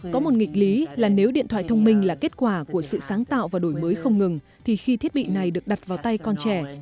có một nghịch lý là nếu điện thoại thông minh là kết quả của sự sáng tạo và đổi mới không ngừng thì khi thiết bị này được đặt vào tay con trẻ